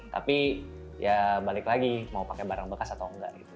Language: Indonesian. tapi ya balik lagi mau pakai barang bekas atau enggak gitu